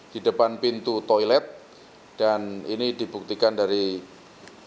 di depan pintu toilet dan ini dibuktikan dari kendaraan